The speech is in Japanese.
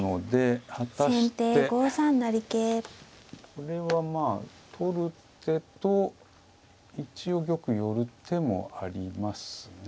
これはまあ取る手と一応玉寄る手もありますね。